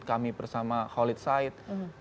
kami bersama khalid said